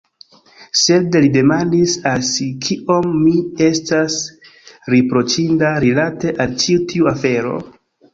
Sed, li demandis al si, kiom mi estas riproĉinda rilate al ĉi tiu afero?